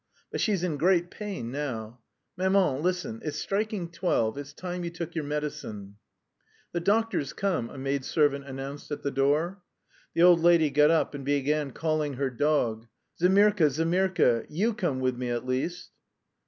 But she's in great pain now. Maman, listen, it's striking twelve, it's time you took your medicine." "The doctor's come," a maid servant announced at the door. The old lady got up and began calling her dog: "Zemirka, Zemirka, you come with me at least."